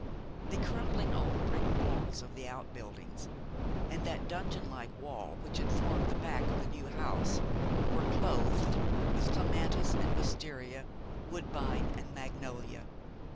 The crumbling old brick walls of the outbuildings, and that dungeon like wall which formed the back of the new house, were clothed with clematis and wistaria, woodbine and magnolia.